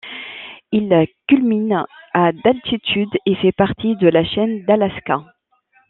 Il culmine à d'altitude et fait partie de la chaîne d'Alaska.